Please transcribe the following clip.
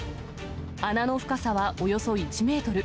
穴の深さはおよそ１メートル。